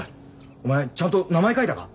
お前ちゃんと名前書いたか？